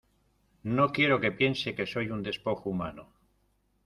no quiero que piense que soy un despojo humano.